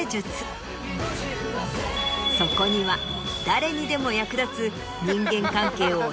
そこには誰にでも役立つ。